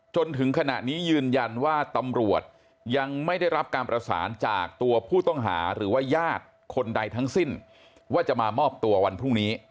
จนถึงขณะนี้ยืนยันว่าตำรวจยังไม่ได้รับการประสานจากตัวผู้ต้องหาหรือว่าญาติคนใดทั้งสิ้นว่าจะมามอบตัววันพรุ่งนี้